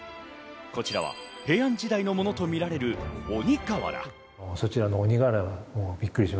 こちらは平安時代のものとみられる鬼瓦。